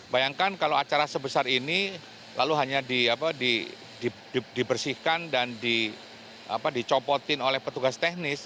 bayangkan kalau acara sebesar ini lalu hanya dibersihkan dan dicopotin oleh petugas teknis